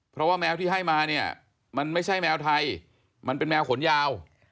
เพราะว่าแมวที่ให้มาเนี่ยมันไม่ใช่แมวไทยมันเป็นแมวขนยาว